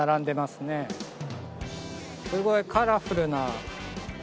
すごいカラフルな。